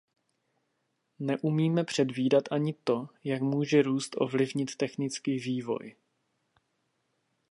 Neumíme předvídat ani to, jak může růst ovlivnit technický vývoj.